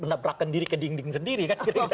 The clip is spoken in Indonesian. menabrakan diri ke dinding sendiri kan